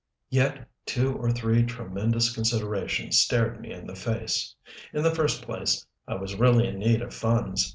Yet two or three tremendous considerations stared me in the face. In the first place, I was really in need of funds.